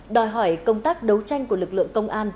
đòi hỏi công tác đấu tranh của lực lượng công an